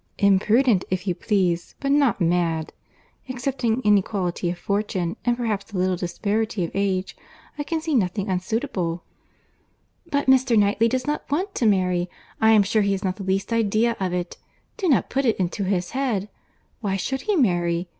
"Imprudent, if you please—but not mad. Excepting inequality of fortune, and perhaps a little disparity of age, I can see nothing unsuitable." "But Mr. Knightley does not want to marry. I am sure he has not the least idea of it. Do not put it into his head. Why should he marry?